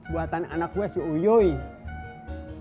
buatan anak gue si uyoi